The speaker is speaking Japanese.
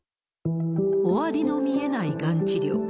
終わりの見えないがん治療。